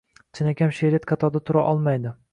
Chinakam she’riyat qatorida tura olmaydi.